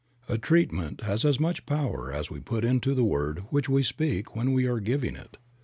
A TREATMENT has as much power as we put into the word which we speak when we are giving it.